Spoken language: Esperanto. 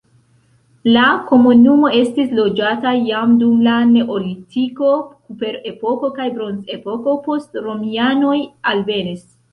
La komunumo estis loĝata jam dum la neolitiko, kuprepoko kaj bronzepoko, poste romianoj alvenis.